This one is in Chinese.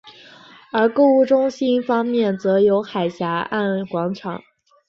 而购物中心方面则有海峡岸广场。